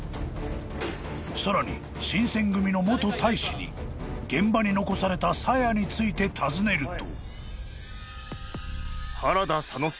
［さらに新選組の元隊士に現場に残されたさやについて尋ねると］